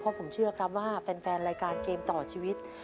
เพราะผมเชื่อครับว่าแฟนรายการเกมต่อชีวิต